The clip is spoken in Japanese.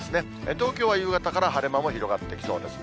東京は夕方から晴れ間も広がってきそうですね。